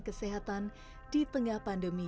kesehatan di tengah pandemi